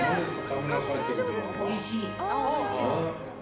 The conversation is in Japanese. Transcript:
おいしい。